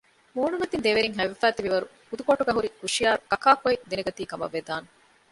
މޫނުމަތީން ދެވެރީން ހައިވެފައި ތިބި ވަރު ހުދުކޯޓުގައި ހުރި ހުޝިޔާރު ކަކާކޮއި ދެނެގަތީ ކަމަށް ވެދާނެ